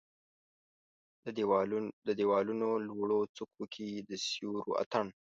د د یوالونو لوړو څوکو کې د سیورو اټن